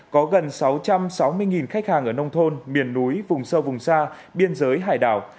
có gần sáu trăm sáu mươi khách hàng ở nông thôn miền núi vùng sâu vùng xa biên giới hải đảo